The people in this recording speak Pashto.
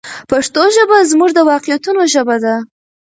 پښتو ژبه زموږ د واقعیتونو ژبه ده.